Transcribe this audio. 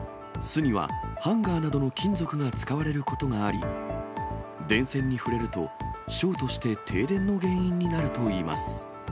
巣にはハンガーなどの金属が使われることがあり、電線に触れると、ショートして停電の原因になるといいます。